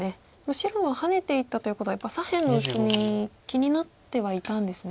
白はハネていったということはやっぱり左辺の薄み気になってはいたんですね。